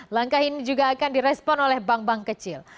langkah ini juga akan direspon oleh bank bank kecil